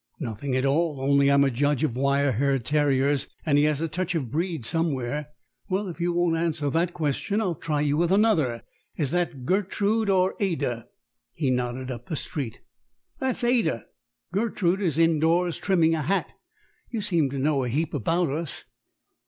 "Nothing at all; only I'm a judge of wire haired terriers, and he has a touch of breed somewhere. Well, if you won't answer that question, I'll try you with another. Is that Gertrude or Ada?" He nodded up the street. "That's Ada. Gertrude is indoors, trimming a hat. You seem to know a heap about us."